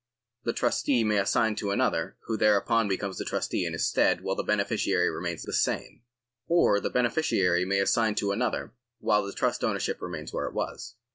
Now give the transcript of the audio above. The trustee may assign to another, who thereupon becomes a trustee in his stead, while the beneficiary remains the same ; or the beneficiary may assign to another, while the trust ownership remains where it was.